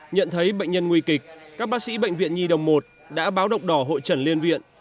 nhận thấy bệnh nhân nguy kịch các bác sĩ bệnh viện nhi đồng một đã báo độc đỏ hội trần liên viện